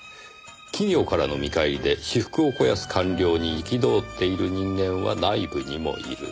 「企業からの見返りで私腹を肥やす官僚に憤っている人間は内部にもいる」